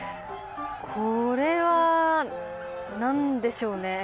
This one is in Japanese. これは何でしょうね。